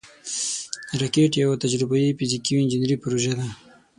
راکټ یوه تجربهاي، فزیکي او انجینري پروژه ده